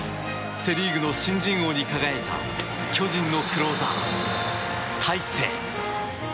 セ・リーグの新人王に輝いた巨人のクローザー、大勢。